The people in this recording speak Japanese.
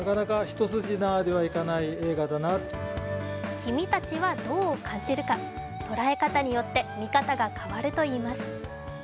君達はどう感じるか、捉え方によって見方が変わるといいます。